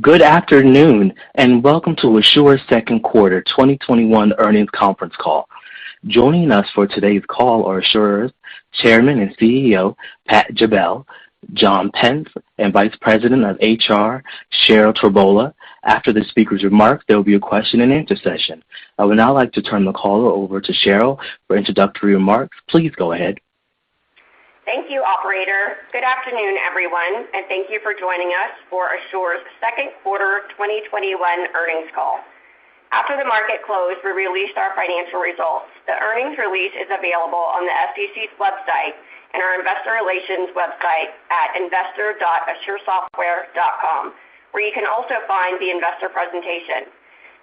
Good afternoon, welcome to Asure's second quarter 2021 earnings conference call. Joining us for today's call are Asure's Chairman and CEO, Pat Goepel, John Pence, and Vice President of HR, Cheryl Trbula. After the speakers' remarks, there will be a question and answer session. I would now like to turn the call over to Cheryl for introductory remarks. Please go ahead. Thank you, operator. Good afternoon, everyone, and thank you for joining us for Asure's second quarter 2021 earnings call. After the market closed, we released our financial results. The earnings release is available on the SEC's website and our investor relations website at investor.asuresoftware.com, where you can also find the investor presentation.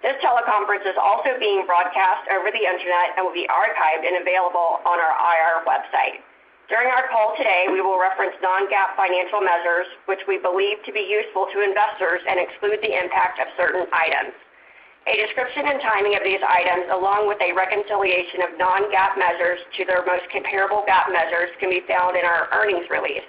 This teleconference is also being broadcast over the internet and will be archived and available on our IR website. During our call today, we will reference non-GAAP financial measures which we believe to be useful to investors and exclude the impact of certain items. A description and timing of these items, along with a reconciliation of non-GAAP measures to their most comparable GAAP measures, can be found in our earnings release.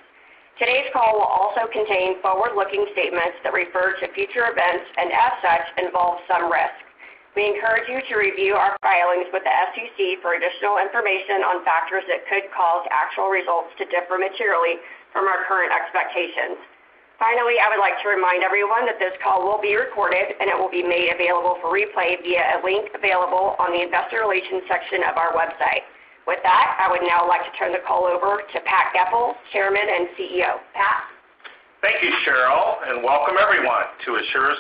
Today's call will also contain forward-looking statements that refer to future events and as such, involve some risk. We encourage you to review our filings with the SEC for additional information on factors that could cause actual results to differ materially from our current expectations. I would like to remind everyone that this call will be recorded, and it will be made available for replay via a link available on the investor relations section of our website. With that, I would now like to turn the call over to Pat Goepel, Chairman and CEO. Pat? Thank you, Cheryl. Welcome everyone to Asure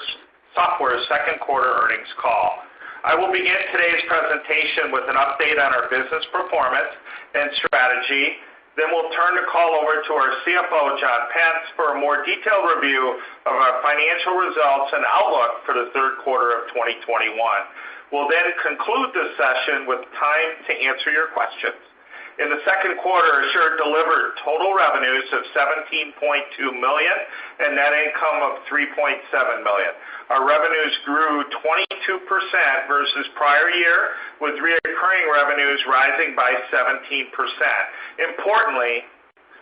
Software's second quarter earnings call. I will begin today's presentation with an update on our business performance and strategy. We'll turn the call over to our CFO, John Pence, for a more detailed review of our financial results and outlook for the third quarter of 2021. We'll conclude the session with time to answer your questions. In the second quarter, Asure delivered total revenues of $17.2 million and net income of $3.7 million. Our revenues grew 22% versus prior year, with reoccurring revenues rising by 17%. Importantly,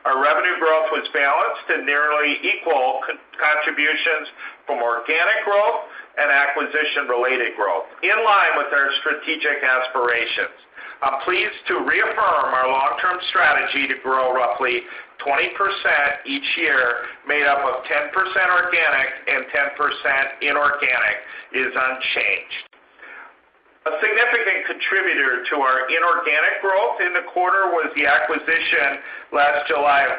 our revenue growth was balanced to nearly equal contributions from organic growth and acquisition-related growth, in line with our strategic aspirations. I'm pleased to reaffirm our long-term strategy to grow roughly 20% each year, made up of 10% organic and 10% inorganic, is unchanged. A significant contributor to our inorganic growth in the quarter was the acquisition last July of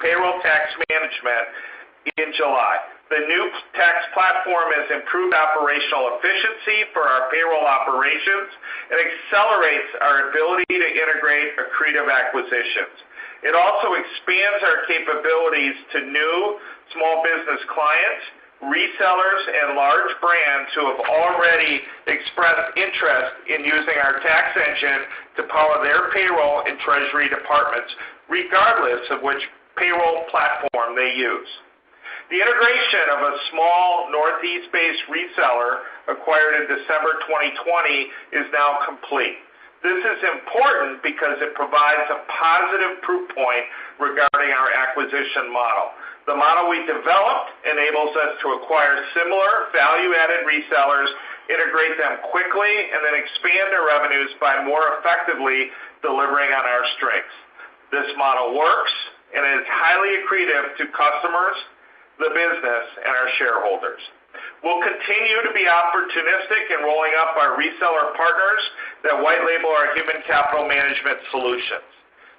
Payroll Tax Management in July. The new tax platform has improved operational efficiency for our payroll operations and accelerates our ability to integrate accretive acquisitions. It also expands our capabilities to new small business clients, resellers, and large brands who have already expressed interest in using our tax engine to power their payroll and treasury departments, regardless of which payroll platform they use. The integration of a small Northeast-based reseller acquired in December 2020 is now complete. This is important because it provides a positive proof point regarding our acquisition model. The model we developed enables us to acquire similar value-added resellers, integrate them quickly, and then expand their revenues by more effectively delivering on our strengths. This model works, and it is highly accretive to customers, the business, and our shareholders. We'll continue to be opportunistic in rolling up our reseller partners that white label our human capital management solutions.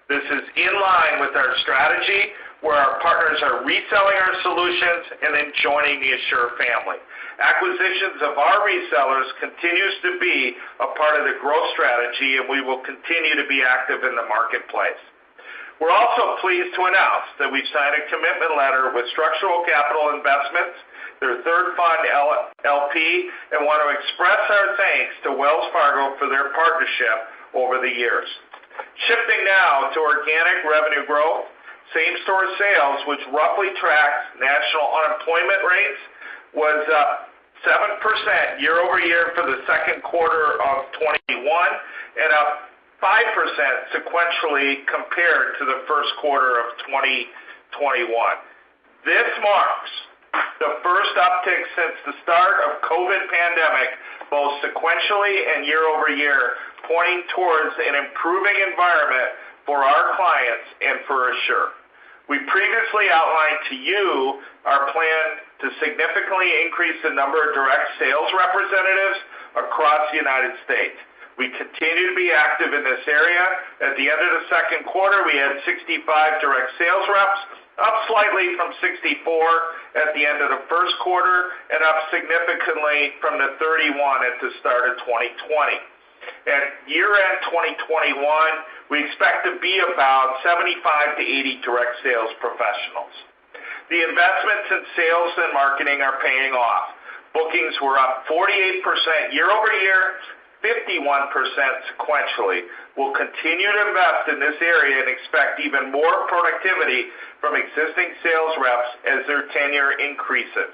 This is in line with our strategy where our partners are reselling our solutions and then joining the Asure family. Acquisitions of our resellers continues to be a part of the growth strategy, and we will continue to be active in the marketplace. We're also pleased to announce that we've signed a commitment letter with Structural Capital Investments, their third fund LP, and want to express our thanks to Wells Fargo for their partnership over the years. Shifting now to organic revenue growth, same-store sales, which roughly tracks national unemployment rates, was up 7% year-over-year for the second quarter of 2021 and a 5% sequentially compared to the first quarter of 2021. This marks the first uptick since the start of COVID pandemic, both sequentially and year-over-year, pointing towards an improving environment for our clients and for Asure. We previously outlined to you our plan to significantly increase the number of direct sales representatives across the United States. We continue to be active in this area. At the end of the second quarter, we had 65 direct sales reps, up slightly from 64 at the end of the first quarter, and up significantly from the 31 at the start of 2020. At year-end 2021, we expect to be about 75 to 80 direct sales professionals. The investments in sales and marketing are paying off. Bookings were up 48% year-over-year, 51% sequentially. We'll continue to invest in this area and expect even more productivity from existing sales reps as their tenure increases.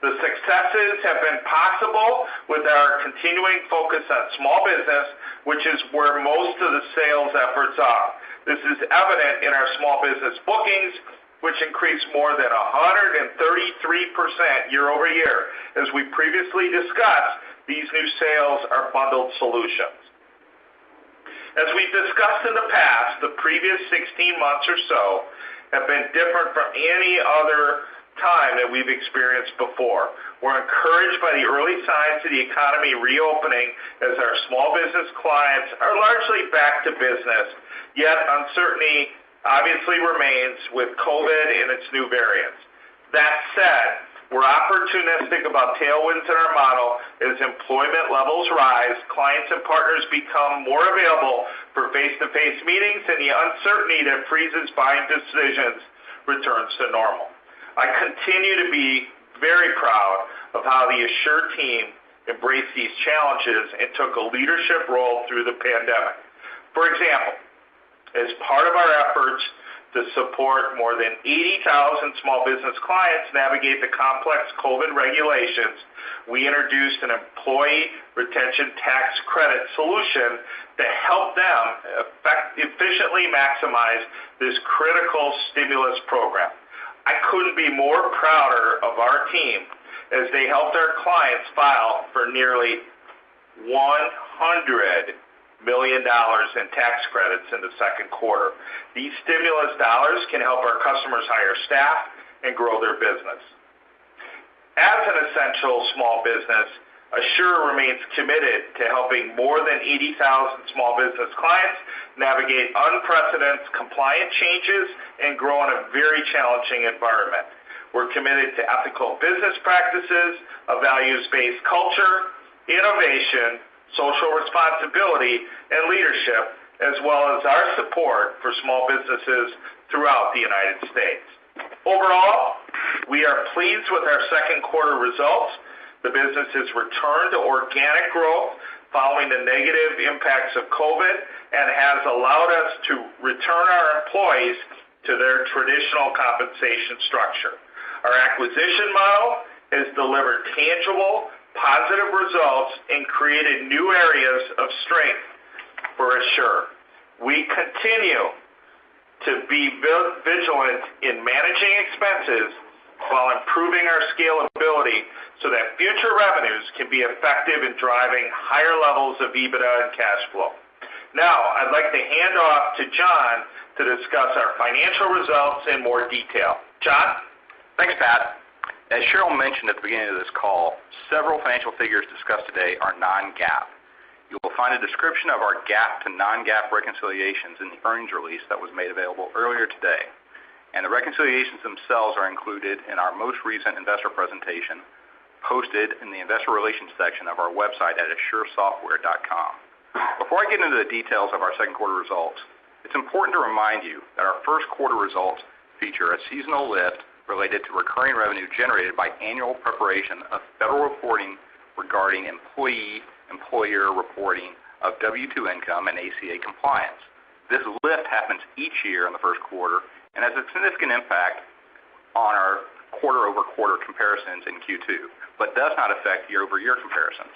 The successes have been possible with our continuing focus on small business, which is where most of the sales efforts are. This is evident in our small business bookings, which increased more than 133% year-over-year. As we previously discussed, these new sales are bundled solutions. As we've discussed in the past, the previous 16 months or so have been different from any other time that we've experienced before. We're encouraged by the early signs of the economy reopening, as our small business clients are largely back to business. Yet uncertainty obviously remains with COVID and its new variants. That said, we're opportunistic about tailwinds in our model. As employment levels rise, clients and partners become more available for face-to-face meetings, and the uncertainty that freezes buying decisions returns to normal. I continue to be very proud of how the Asure team embraced these challenges and took a leadership role through the pandemic. For example, as part of our efforts to support more than 80,000 small business clients navigate the complex COVID regulations, we introduced an employee retention tax credit solution to help them efficiently maximize this critical stimulus program. I couldn't be more prouder of our team as they helped our clients file for nearly $100 million in tax credits in the second quarter. These stimulus dollars can help our customers hire staff and grow their business. As an essential small business, Asure remains committed to helping more than 80,000 small business clients navigate unprecedented compliant changes and grow in a very challenging environment. We're committed to ethical business practices, a values-based culture, innovation, social responsibility, and leadership, as well as our support for small businesses throughout the U.S. Overall, we are pleased with our second quarter results. The business has returned to organic growth following the negative impacts of COVID and has allowed us to return our employees to their traditional compensation structure. Our acquisition model has delivered tangible, positive results and created new areas of strength for Asure. We continue to be vigilant in managing expenses while improving our scalability so that future revenues can be effective in driving higher levels of EBITDA and cash flow. Now, I'd like to hand off to John to discuss our financial results in more detail. John? Thanks, Pat. As Cheryl mentioned at the beginning of this call, several financial figures discussed today are non-GAAP. You will find a description of our GAAP to non-GAAP reconciliations in the earnings release that was made available earlier today. The reconciliations themselves are included in our most recent investor presentation, posted in the investor relations section of our website at asuresoftware.com. Before I get into the details of our second quarter results, it's important to remind you that our first quarter results feature a seasonal lift related to recurring revenue generated by annual preparation of federal reporting regarding employee-employer reporting of W2 income and ACA compliance. This lift happens each year in the first quarter and has a significant impact on our quarter-over-quarter comparisons in Q2, but does not affect year-over-year comparisons.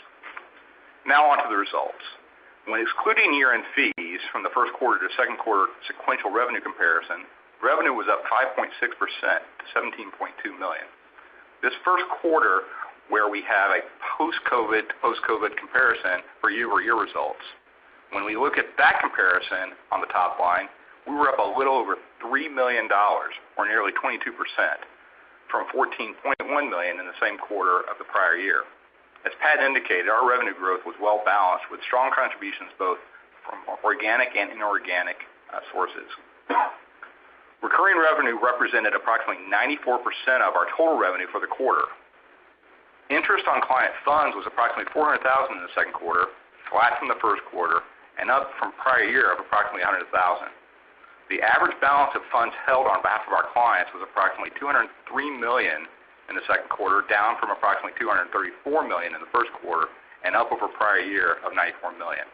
Now, onto the results. When excluding year-end fees from the first quarter to second quarter sequential revenue comparison, revenue was up 5.6% to $17.2 million. This first quarter, where we had a post-COVID to post-COVID comparison for year-over-year results. When we look at that comparison on the top line, we were up a little over $3 million, or nearly 22%, from $14.1 million in the same quarter of the prior year. As Pat indicated, our revenue growth was well-balanced, with strong contributions both from organic and inorganic sources. Recurring revenue represented approximately 94% of our total revenue for the quarter. Interest on client funds was approximately $400,000 in the second quarter, flat from the first quarter, and up from prior year of approximately $100,000. The average balance of funds held on behalf of our clients was approximately $203 million in the second quarter, down from approximately $234 million in the first quarter, and up over prior year of $94 million.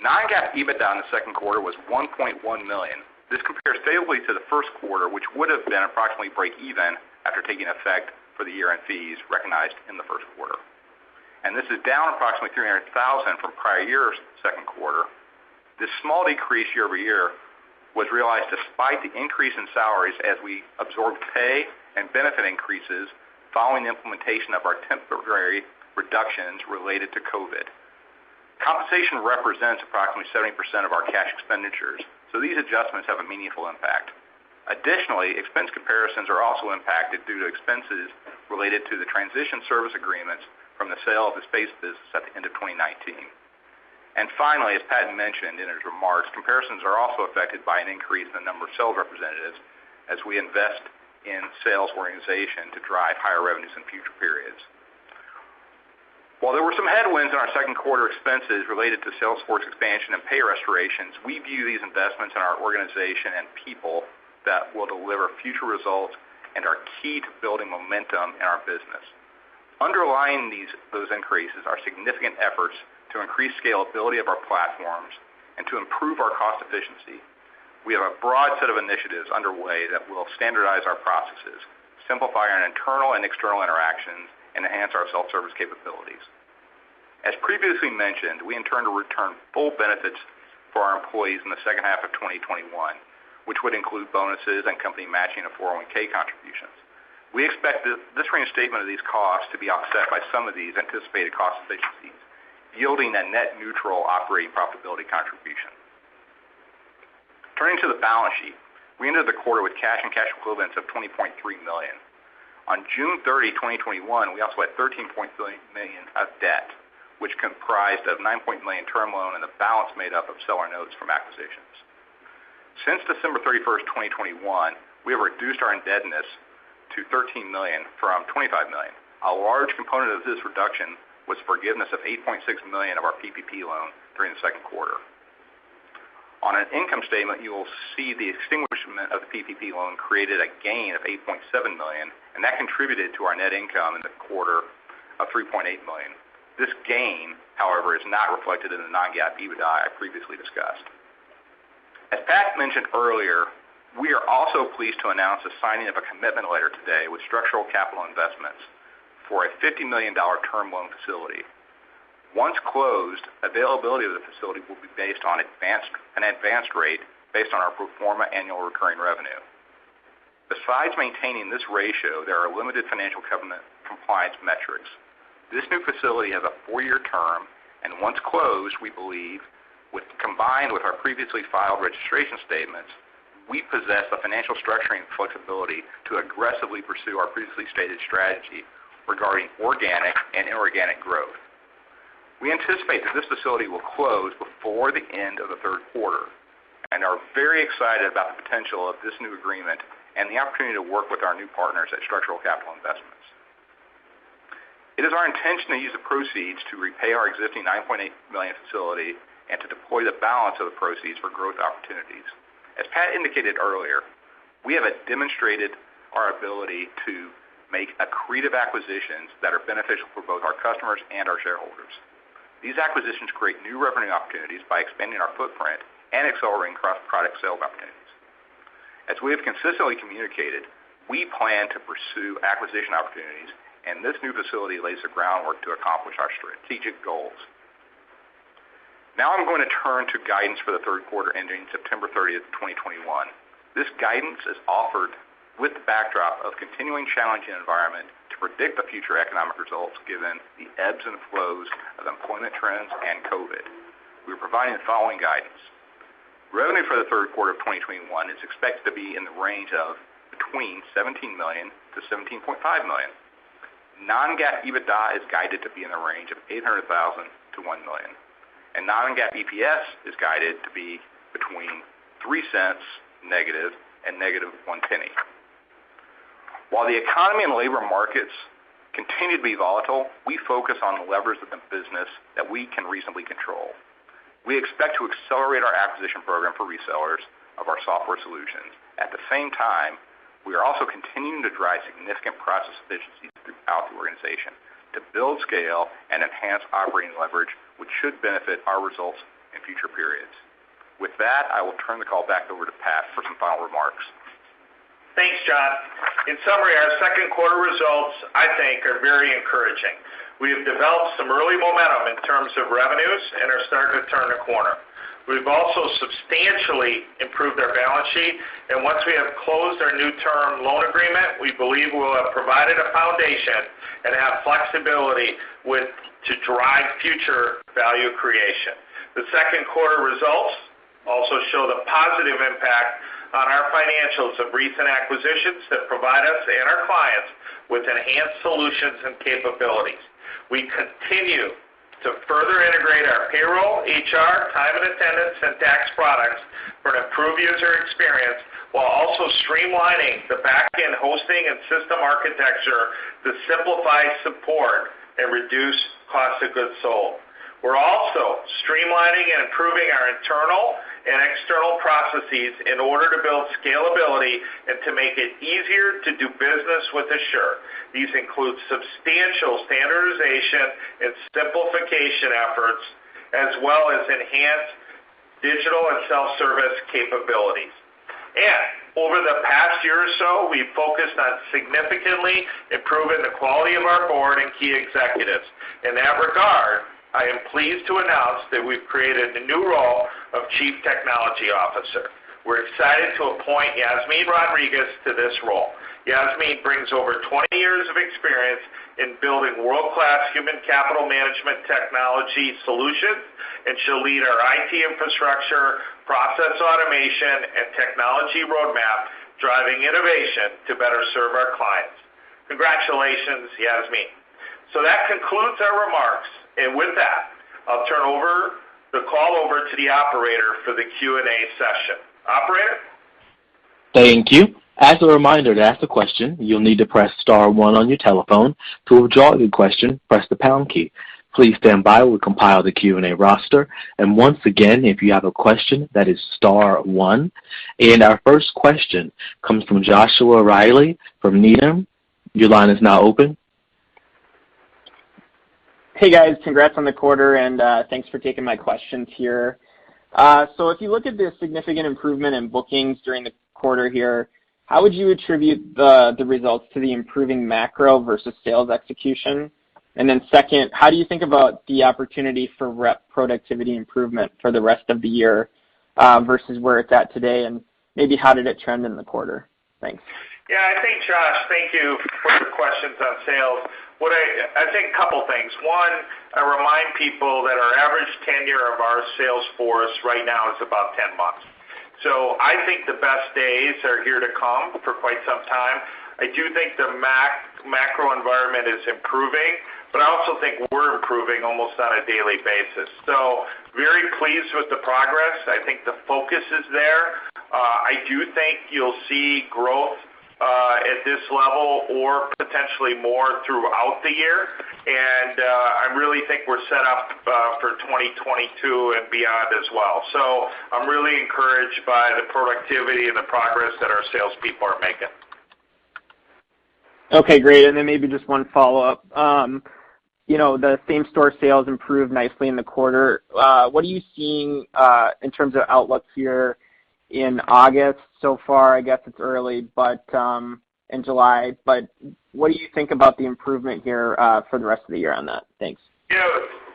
non-GAAP EBITDA in the second quarter was $1.1 million. This compares favorably to the first quarter, which would have been approximately break even after taking effect for the year-end fees recognized in the first quarter. This is down approximately $300,000 from prior year's second quarter. This small decrease year-over-year was realized despite the increase in salaries as we absorbed pay and benefit increases following the implementation of our temporary reductions related to COVID. Compensation represents approximately 70% of our cash expenditures, so these adjustments have a meaningful impact. Additionally, expense comparisons are also impacted due to expenses related to the transition service agreements from the sale of the space business at the end of 2019. Finally, as Pat mentioned in his remarks, comparisons are also affected by an increase in the number of sales representatives as we invest in sales organization to drive higher revenues in future periods. While there were some headwinds in our Q2 expenses related to sales force expansion and pay restorations, we view these investments in our organization and people that will deliver future results and are key to building momentum in our business. Underlying those increases are significant efforts to increase scalability of our platforms and to improve our cost efficiency. We have a broad set of initiatives underway that will standardize our processes, simplify our internal and external interactions, and enhance our self-service capabilities. As previously mentioned, we intend to return full benefits for our employees in the second half of 2021, which would include bonuses and company matching of 401(k) contributions. We expect this reinstatement of these costs to be offset by some of these anticipated cost efficiencies, yielding a net neutral operating profitability contribution. Turning to the balance sheet, we ended the quarter with cash and cash equivalents of $20.3 million. On June 30, 2021, we also had $13 million of debt, which comprised a $9 million term loan and the balance made up of seller notes from acquisitions. Since December 31st, 2021, we have reduced our indebtedness to $13 million from $25 million. A large component of this reduction was forgiveness of $8.6 million of our PPP loan during the second quarter. On an income statement, you will see the extinguishment of the PPP loan created a gain of $8.7 million, and that contributed to our net income in the quarter of $3.8 million. This gain, however, is not reflected in the non-GAAP EBITDA I previously discussed. As Pat mentioned earlier, we are also pleased to announce the signing of a commitment letter today with Structural Capital Investments for a $50 million term loan facility. Once closed, availability of the facility will be based on an advanced rate based on our pro forma annual recurring revenue. Besides maintaining this ratio, there are limited financial covenant compliance metrics. This new facility has a four-year term, and once closed, we believe, combined with our previously filed registration statements, we possess the financial structuring flexibility to aggressively pursue our previously stated strategy regarding organic and inorganic growth. We anticipate that this facility will close before the end of the third quarter and are very excited about the potential of this new agreement and the opportunity to work with our new partners at Structural Capital Investments. It is our intention to use the proceeds to repay our existing $9.8 million facility and to deploy the balance of the proceeds for growth opportunities. As Pat indicated earlier, we have demonstrated our ability to make accretive acquisitions that are beneficial for both our customers and our shareholders. These acquisitions create new revenue opportunities by expanding our footprint and accelerating cross-product sales opportunities. As we have consistently communicated, we plan to pursue acquisition opportunities, and this new facility lays the groundwork to accomplish our strategic goals. Now I'm going to turn to guidance for the third quarter ending September 30th, 2021. This guidance is offered with the backdrop of continuing challenging environment to predict the future economic results given the ebbs and flows of employment trends and COVID. We are providing the following guidance. Revenue for the third quarter of 2021 is expected to be in the range of between $17 million-$17.5 million. Non-GAAP EBITDA is guided to be in the range of $800,000 to $1 million, and non-GAAP EPS is guided to be between $(0.03) and $(0.01). While the economy and labor markets continue to be volatile, we focus on the levers of the business that we can reasonably control. We expect to accelerate our acquisition program for resellers of our software solutions. At the same time, we are also continuing to drive significant process efficiencies throughout the organization to build scale and enhance operating leverage, which should benefit our results in future periods. With that, I will turn the call back over to Pat for some final remarks. Thanks, John. In summary, our second quarter results, I think, are very encouraging. We have developed some early momentum in terms of revenues and are starting to turn a corner. We've also substantially improved our balance sheet, and once we have closed our new term loan agreement, we believe we'll have provided a foundation and have flexibility to drive future value creation. The second quarter results also show the positive impact on our financials of recent acquisitions that provide us and our clients with enhanced solutions and capabilities. We continue to further integrate our payroll, HR, time and attendance, and tax products for an improved user experience, while also streamlining the back-end hosting and system architecture to simplify support and reduce cost of goods sold. We're also streamlining and improving our internal and external processes in order to build scalability and to make it easier to do business with Asure. These include substantial standardization and simplification efforts, as well as enhanced digital and self-service capabilities. Over the past year or so, we've focused on significantly improving the quality of our board and key executives. In that regard, I am pleased to announce that we've created the new role of Chief Technology Officer. We're excited to appoint Yasmine Rodriguez to this role. Yasmine brings over 20 years of experience in building world-class human capital management technology solutions, and she'll lead our IT infrastructure, process automation, and technology roadmap, driving innovation to better serve our clients. Congratulations, Yasmine. That concludes our remarks. With that, I'll turn over the call over to the operator for the Q&A session. Operator? Thank you. As a reminder, to ask a question, you'll need to press star one on your telephone. To withdraw your question, press the pound key. Please stand by while we compile the Q&A roster. And once again, if you have a question, that is star one. Our first question comes from Joshua Reilly from Needham. Your line is now open. Hey, guys. Congrats on the quarter, and thanks for taking my questions here. If you look at the significant improvement in bookings during the quarter here, how would you attribute the results to the improving macro versus sales execution? Second, how do you think about the opportunity for rep productivity improvement for the rest of the year, versus where it's at today, and maybe how did it trend in the quarter? Thanks. Yeah. Thanks, Josh. Thank you for the questions on sales. I think a couple things. One, I remind people that our average tenure of our sales force right now is about 10 months. I think the best days are here to come for quite some time. I do think the macro environment is improving, but I also think we're improving almost on a daily basis. Very pleased with the progress. I think the focus is there. I do think you'll see growth, at this level or potentially more throughout the year. I really think we're set up for 2022 and beyond as well. I'm really encouraged by the productivity and the progress that our salespeople are making. Okay, great. Maybe just one follow-up. The same-store sales improved nicely in the quarter. What are you seeing, in terms of outlooks here in August so far? I guess it's early, but in July. What do you think about the improvement here, for the rest of the year on that? Thanks.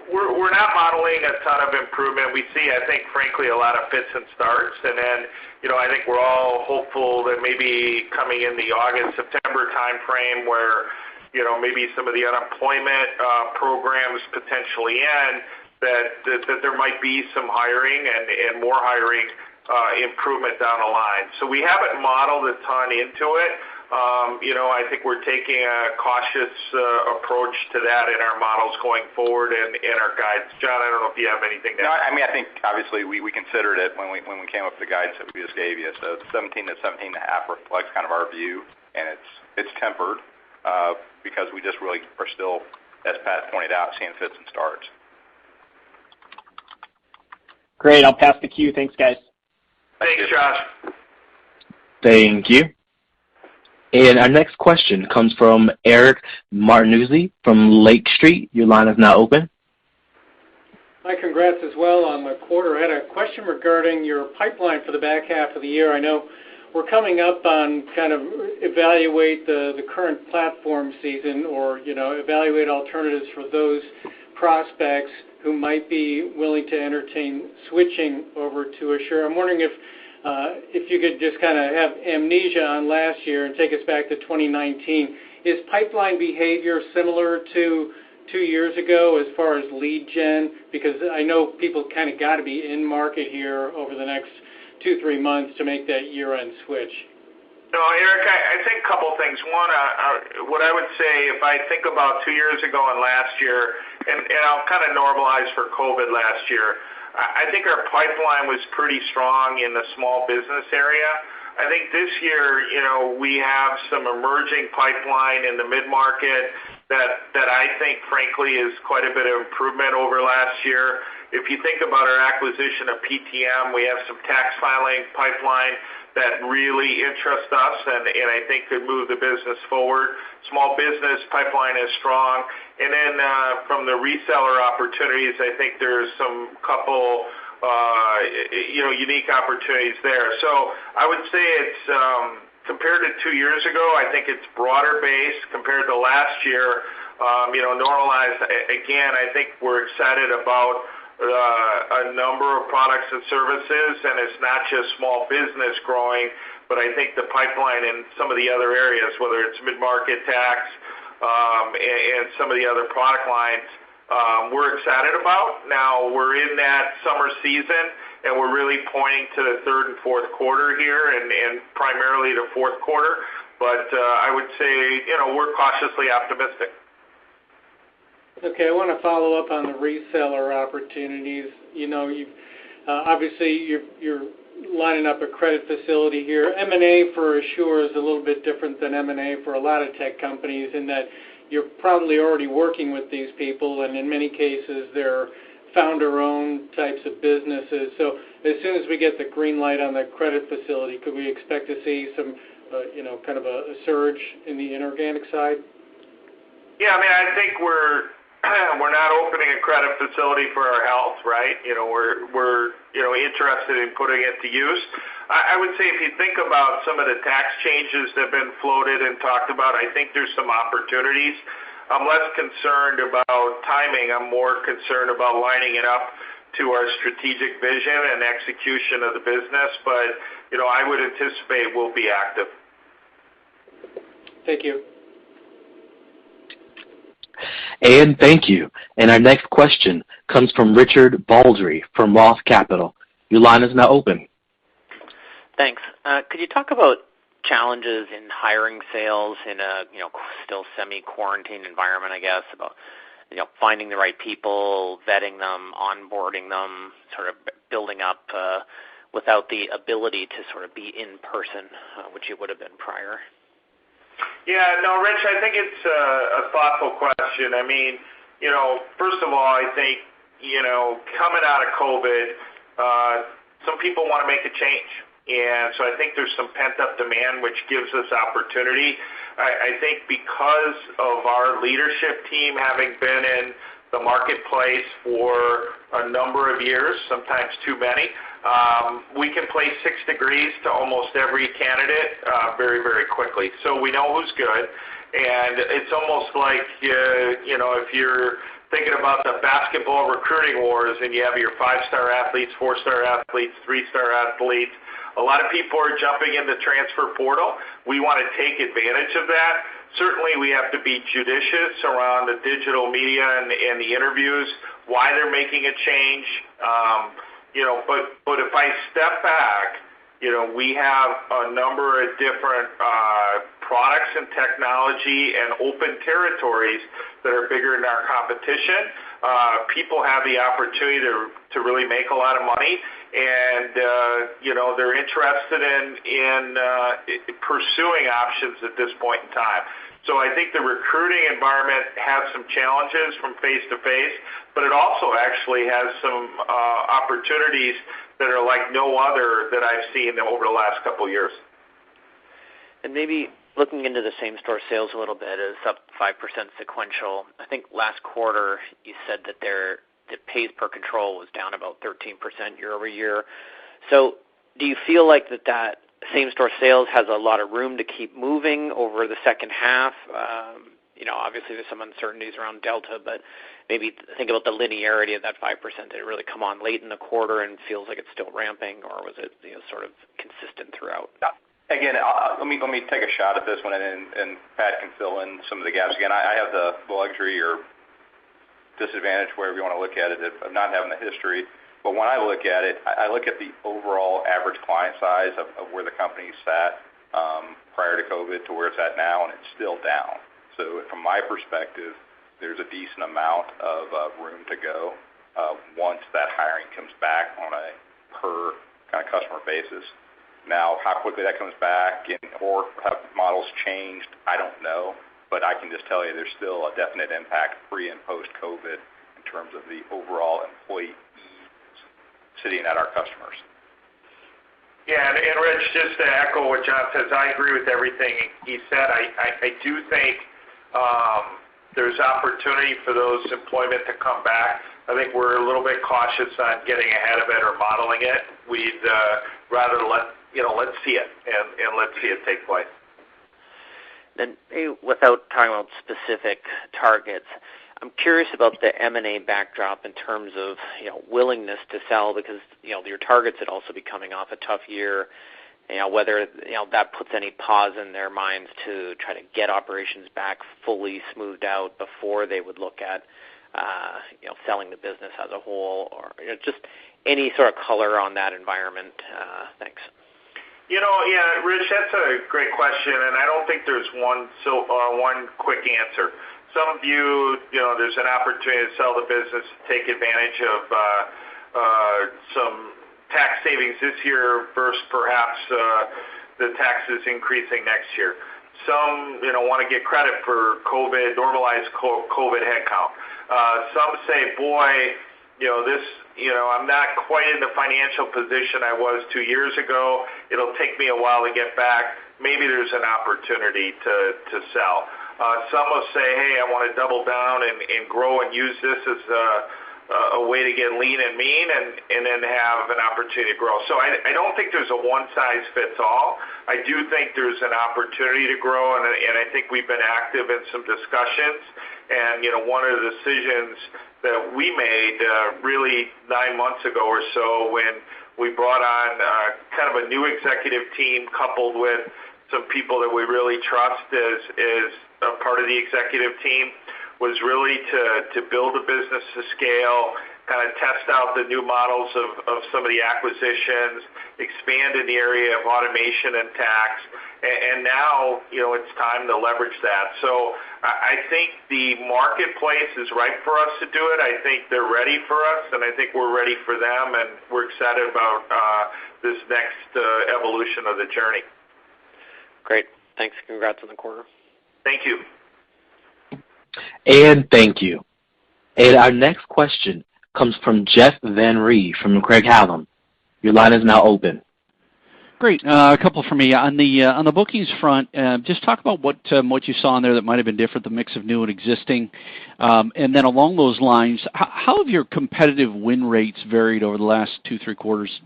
We're not modeling a ton of improvement. We see, I think, frankly, a lot of fits and starts. I think we're all hopeful that maybe coming in the August, September timeframe where maybe some of the unemployment programs potentially end, that there might be some hiring and more hiring improvement down the line. We haven't modeled a ton into it. I think we're taking a cautious approach to that in our models going forward and in our guides. John, I don't know if you have anything to add. I think obviously we considered it when we came up with the guidance that we just gave you. $17-$17.5 reflects kind of our view, and it's tempered, because we just really are still, as Pat pointed out, seeing fits and starts. Great. I'll pass the queue. Thanks, guys. Thanks, Josh. Thank you. Our next question comes from Eric Martinuzzi from Lake Street. Your line is now open. Hi, congrats as well on the quarter. I had a question regarding your pipeline for the back half of the year. I know we're coming up on kind of evaluate the current platform season or evaluate alternatives for those prospects who might be willing to entertain switching over to Asure. I'm wondering if you could just kind of have amnesia on last year and take us back to 2019. Is pipeline behavior similar to two years ago as far as lead gen? I know people kind of got to be in market here over the next two-three months to make that year-end switch. Eric, I think a couple things. One, what I would say, if I think about two years ago and last year, and I'll kind of normalize for COVID last year, I think our pipeline was pretty strong in the small business area. I think this year, we have some emerging pipeline in the mid-market that I think frankly is quite a bit of improvement over last year. If you think about our acquisition of PTM, we have some tax filing pipeline that really interests us and I think could move the business forward. Small business pipeline is strong. From the reseller opportunities, I think there's some couple unique opportunities there. I would say compared to two years ago, I think it's broader based compared to last year. Normalized, again, I think we're excited about a number of products and services, and it's not just small business growing, but I think the pipeline in some of the other areas, whether it's mid-market tax, and some of the other product lines, we're excited about. Now, we're in that summer season, and we're really pointing to the third and fourth quarter here and primarily the fourth quarter. I would say we're cautiously optimistic. Okay, I want to follow up on the reseller opportunities. Obviously, you're lining up a credit facility here. M&A for Asure is a little bit different than M&A for a lot of tech companies in that you're probably already working with these people, and in many cases, they're founder-owned types of businesses. As soon as we get the green light on the credit facility, could we expect to see some kind of a surge in the inorganic side? Yeah. I think we're not opening a credit facility for our health, right? We're interested in putting it to use. I would say if you think about some of the tax changes that have been floated and talked about, I think there's some opportunities. I'm less concerned about timing. I'm more concerned about lining it up to our strategic vision and execution of the business. I would anticipate we'll be active. Thank you. Thank you. Our next question comes from Richard Baldry from Roth Capital. Your line is now open. Thanks. Could you talk about challenges in hiring sales in a still semi-quarantined environment, I guess, about finding the right people, vetting them, onboarding them, sort of without the ability to sort of be in person, which it would've been prior? Yeah, no, Rich, I think it's a thoughtful question. First of all, I think, coming out of COVID, some people want to make a change. I think there's some pent-up demand, which gives us opportunity. I think because of our leadership team having been in the marketplace for a number of years, sometimes too many, we can play 6 degrees to almost every candidate very quickly. We know who's good, and it's almost like if you're thinking about the basketball recruiting wars, and you have your five-star athletes, four-star athletes, three-star athletes, a lot of people are jumping in the transfer portal. We want to take advantage of that. Certainly, we have to be judicious around the digital media and the interviews, why they're making a change. If I step back, we have a number of different products and technology and open territories that are bigger than our competition. People have the opportunity to really make a lot of money, and they're interested in pursuing options at this point in time. I think the recruiting environment has some challenges from face-to-face, but it also actually has some opportunities that are like no other that I've seen over the last couple of years. Maybe looking into the same-store sales a little bit is up 5% sequential. I think last quarter you said that the pace per control was down about 13% year-over-year. Do you feel like that same-store sales has a lot of room to keep moving over the second half? Obviously, there's some uncertainties around Delta, but maybe think about the linearity of that 5% that really come on late in the quarter and feels like it's still ramping, or was it sort of consistent throughout? Again, let me take a shot at this one, and Pat can fill in some of the gaps. When I look at it, I look at the overall average client size of where the company sat prior to COVID to where it's at now, and it's still down. From my perspective, there's a decent amount of room to go once that hiring comes back on a per customer basis. Now, how quickly that comes back and/or have models changed, I don't know. I can just tell you there's still a definite impact pre- and post-COVID in terms of the overall employee sitting at our customers. Yeah. Rich, just to echo what John says, I agree with everything he said. I do think there's opportunity for those employment to come back. I think we're a little bit cautious on getting ahead of it or modeling it. We'd rather let's see it, and let's see it take place. Maybe without talking about specific targets, I'm curious about the M&A backdrop in terms of willingness to sell because your targets had also been coming off a tough year. Whether that puts any pause in their minds to try to get operations back fully smoothed out before they would look at selling the business as a whole, or just any sort of color on that environment. Thanks. Yeah, Rich, that's a great question, and I don't think there's one quick answer. Some view there's an opportunity to sell the business to take advantage of some tax savings this year versus perhaps the taxes increasing next year. Some want to get credit for COVID, normalized COVID headcount. Some say, boy, I'm not quite in the financial position I was two years ago. It'll take me a while to get back. Maybe there's an opportunity to sell. Some will say, hey, I want to double down and grow and use this as a way to get lean and mean and then have an opportunity to grow. I don't think there's a one-size-fits-all. I do think there's an opportunity to grow, and I think we've been active in some discussions. One of the decisions that we made really nine months ago or so when we brought on kind of a new executive team coupled with some people that we really trust as a part of the executive team, was really to build a business to scale, kind of test out the new models of some of the acquisitions, expand in the area of automation and tax. Now it's time to leverage that. I think the marketplace is right for us to do it. I think they're ready for us, and I think we're ready for them, and we're excited about this next evolution of the journey. Great. Thanks. Congrats on the quarter. Thank you. Thank you. Our next question comes from Jeff Van Rhee from Craig-Hallum. Great. A couple from me. On the bookings front, just talk about what you saw in there that might've been different, the mix of new and existing. Then along those lines, how have your competitive win rates varied over the last two, three quarters?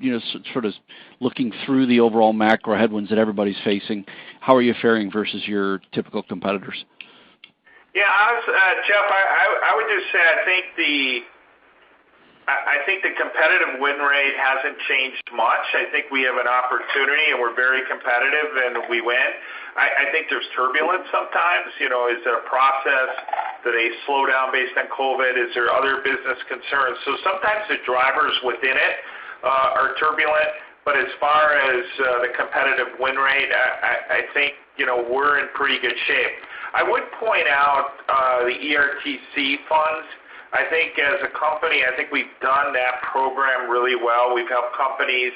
Sort of looking through the overall macro headwinds that everybody's facing, how are you faring versus your typical competitors? Yeah. Jeff, I would just say, I think the competitive win rate hasn't changed much. I think we have an opportunity, and we're very competitive, and we win. I think there's turbulence sometimes. Is there a process? Did they slow down based on COVID? Is there other business concerns? Sometimes the drivers within it are turbulent, but so the competitive win rate, I think we're in pretty good shape. I would point out, the ERTC funds. I think as a company, I think we've done that program really well. We've helped companies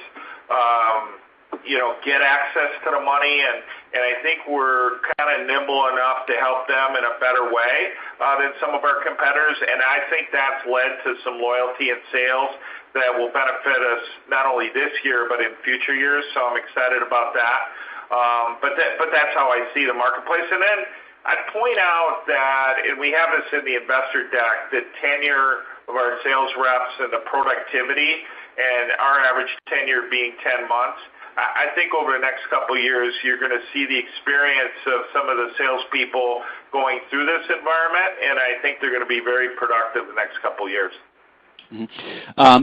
get access to the money, and I think we're kind of nimble enough to help them in a better way than some of our competitors. I think that's led to some loyalty in sales that will benefit us not only this year but in future years. I'm excited about that. That's how I see the marketplace. I'd point out that, and we have this in the investor deck, the tenure of our sales reps and the productivity, and our average tenure being 10 months. I think over the next couple of years, you're going to see the experience of some of the salespeople going through this environment, and I think they're going to be very productive the next couple of years.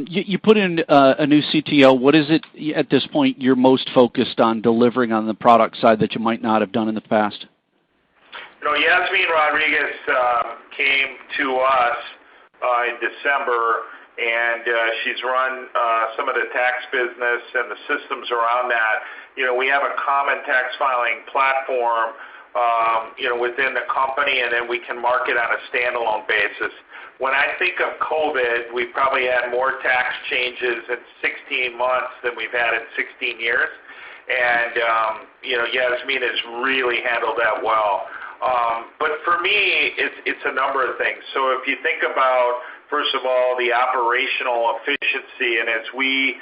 You put in a new CTO. What is it, at this point, you're most focused on delivering on the product side that you might not have done in the past? Yasmine Rodriguez came to us in December, and she's run some of the tax business and the systems around that. We have a common tax filing platform within the company, and then we can market on a standalone basis. When I think of COVID, we've probably had more tax changes in 16 months than we've had in 16 years, and Yasmine has really handled that well. For me, it's a number of things. If you think about, first of all, the operational efficiency, and as we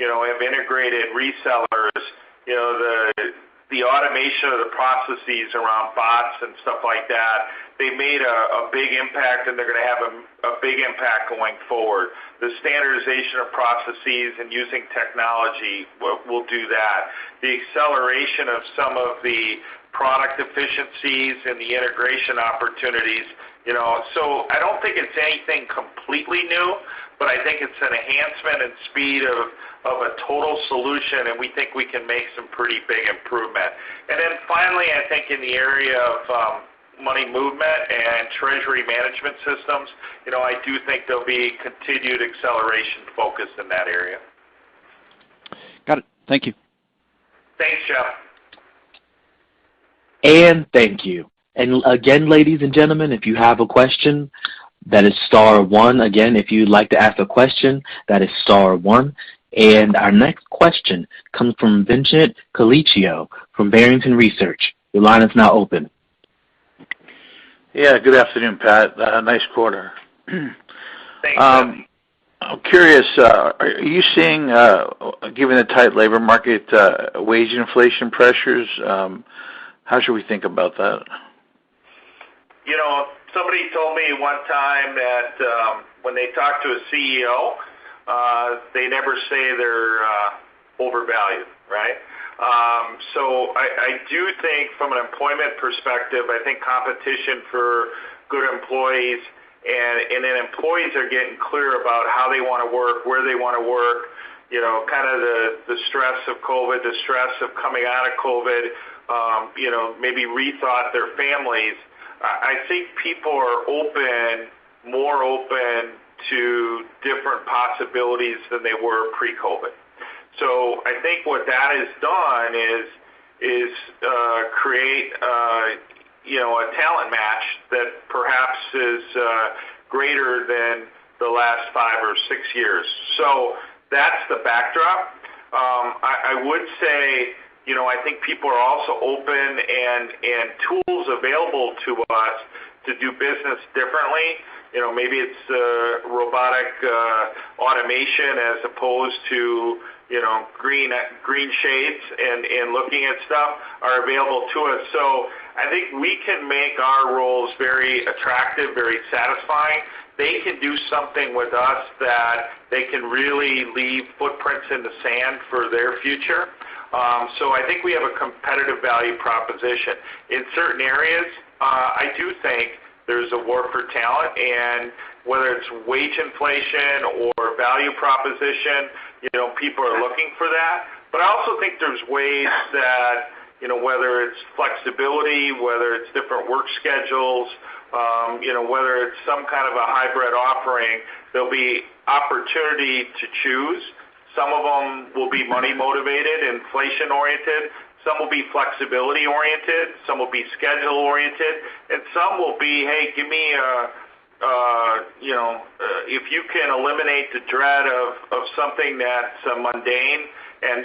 have integrated resellers, the automation of the processes around bots and stuff like that, they made a big impact, and they're going to have a big impact going forward. The standardization of processes and using technology will do that. The acceleration of some of the product efficiencies and the integration opportunities. I don't think it's anything completely new, but I think it's an enhancement in speed of a total solution, and we think we can make some pretty big improvement. Finally, I think in the area of money movement and treasury management systems, I do think there'll be a continued acceleration focus in that area. Got it. Thank you. Thanks, Jeff. Thank you. Again, ladies and gentlemen, if you have a question, that is star one. Again, if you'd like to ask a question, that is star one. Our next question comes from Vincent Colicchio from Barrington Research. Your line is now open. Yeah, good afternoon, Pat. Nice quarter. Thanks. I'm curious, are you seeing, given the tight labor market, wage inflation pressures? How should we think about that? Somebody told me one time that when they talk to a CEO, they never say they're overvalued, right? I do think from an employment perspective, I think competition for good employees, and then employees are getting clear about how they want to work, where they want to work. Kind of the stress of COVID, the stress of coming out of COVID, maybe rethought their families. I think people are more open to different possibilities than they were pre-COVID. I think what that has done is, create a talent match that perhaps is greater than the last five or six years. That's the backdrop. I would say, I think people are also open, and tools available to us to do business differently. Maybe it's robotic automation as opposed to green shades and looking at stuff are available to us. I think we can make our roles very attractive, very satisfying. They can do something with us that they can really leave footprints in the sand for their future. I think we have a competitive value proposition. In certain areas, I do think there's a war for talent, and whether it's wage inflation or value proposition, people are looking for that. I also think there's ways that, whether it's flexibility, whether it's different work schedules, whether it's some kind of a hybrid offering, there'll be opportunity to choose. Some of them will be money-motivated, inflation-oriented, some will be flexibility-oriented, some will be schedule-oriented, and some will be, hey, if you can eliminate the dread of something that's mundane and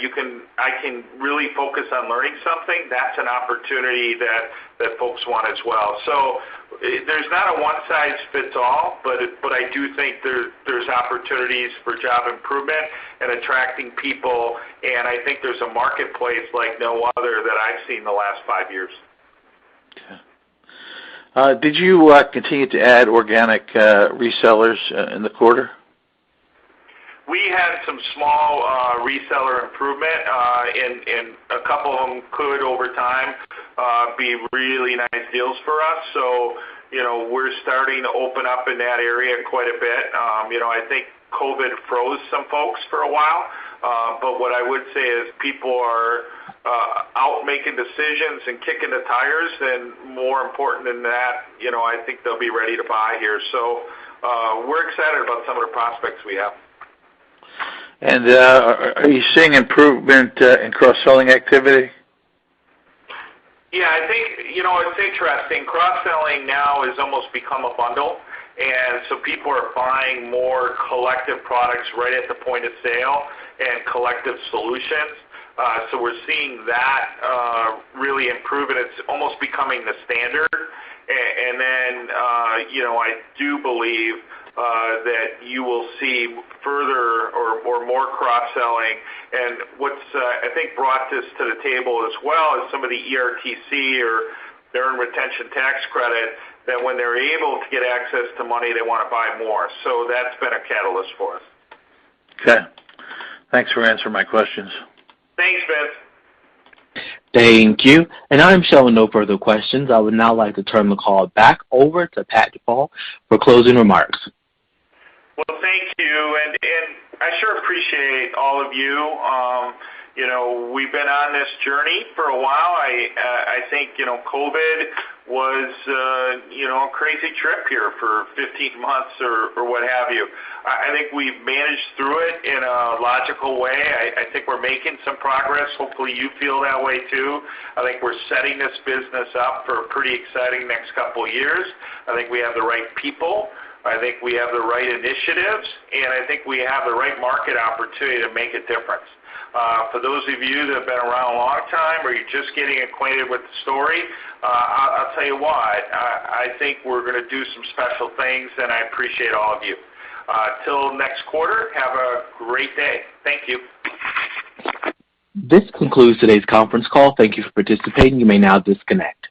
I can really focus on learning something, that's an opportunity that folks want as well. There's not a one-size-fits-all, but I do think there's opportunities for job improvement and attracting people, and I think there's a marketplace like no other that I've seen in the last five years. Okay. Did you continue to add organic resellers in the quarter? We had some small reseller improvement, and a couple of them could, over time, be really nice deals for us. We're starting to open up in that area quite a bit. I think COVID froze some folks for a while. What I would say is people are making decisions and kicking the tires, and more important than that, I think they'll be ready to buy here. We're excited about some of the prospects we have. Are you seeing improvement in cross-selling activity? I think it's interesting. Cross-selling now has almost become a bundle, and so people are buying more collective products right at the point of sale and collective solutions. We're seeing that really improve, and it's almost becoming the standard. Then I do believe that you will see further or more cross-selling. What's, I think, brought this to the table as well is some of the ERTC or employee retention tax credit, that when they're able to get access to money, they want to buy more. That's been a catalyst for us. Okay. Thanks for answering my questions. Thanks, Vince. Thank you. I am showing no further questions. I would now like to turn the call back over to Pat Goepel for closing remarks. Well, thank you. I sure appreciate all of you. We've been on this journey for a while. I think COVID was a crazy trip here for 15 months or what have you. I think we've managed through it in a logical way. I think we're making some progress. Hopefully, you feel that way, too. I think we're setting this business up for a pretty exciting next couple of years. I think we have the right people, I think we have the right initiatives, and I think we have the right market opportunity to make a difference. For those of you that have been around a long time or you're just getting acquainted with the story, I'll tell you what, I think we're going to do some special things, and I appreciate all of you. Till next quarter, have a great day. Thank you. This concludes today's conference call. Thank you for participating. You may now disconnect.